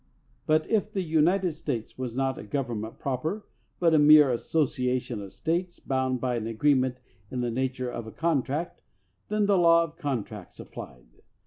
But if the United States was not a govern ment proper, but a mere association of States bound by an agreement in the nature of a con tract, then the law of contracts applied.